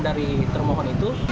dari termohon itu